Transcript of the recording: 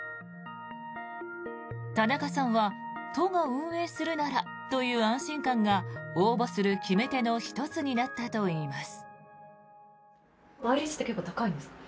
田中さんは都が運営するならという安心感が応募する決め手の１つになったといいます。